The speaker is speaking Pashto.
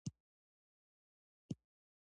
له بر کلي سره د ځمکې لانجه لري.